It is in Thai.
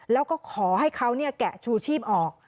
แล้วก็ขอให้เขาแกะชูชีพออก